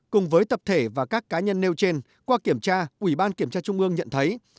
cùng với tập thể và các cá nhân nêu trên qua kiểm tra ủy ban kiểm tra trung ương nhận thấy